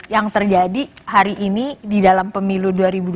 yang terjadi hari ini di dalam pemilu dua ribu dua puluh